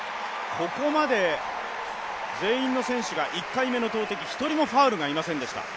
ここまで全員の選手が１回目の投てき、１人もファウルがいませんでした。